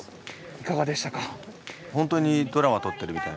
いかがでしたか？